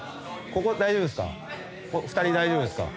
ここ２人大丈夫ですか？